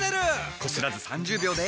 こすらず３０秒で。